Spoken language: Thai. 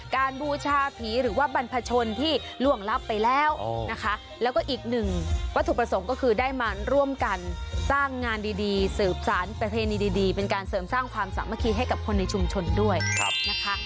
บูชาผีหรือว่าบรรพชนที่ล่วงลับไปแล้วนะคะแล้วก็อีกหนึ่งวัตถุประสงค์ก็คือได้มาร่วมกันสร้างงานดีสืบสารประเพณีดีเป็นการเสริมสร้างความสามัคคีให้กับคนในชุมชนด้วยนะคะ